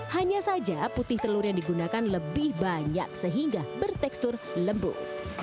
hanya saja putih telur yang digunakan lebih banyak sehingga bertekstur lembuk